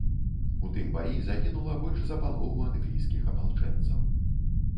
У тым баі загінула больш за палову англійскіх апалчэнцаў.